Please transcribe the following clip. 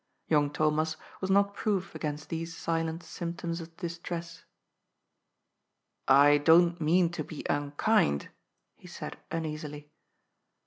Young Thomas was not proof against these silent symp 154 GOD'S POOL. toms of distress. ^' I don't mean to be unkind," he said uneasily.